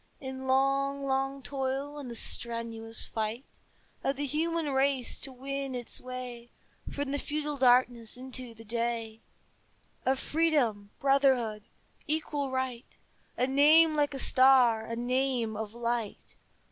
In long, long toil and the strenuous fight Of the human race to win its way From the feudal darkness into the day Of Freedom, Brotherhood, Equal Right, A name like a star, a name of light.